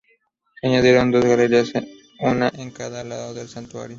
Se añadieron dos galerías, una en cada lado del santuario.